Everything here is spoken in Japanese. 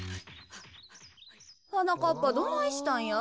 はなかっぱどないしたんや？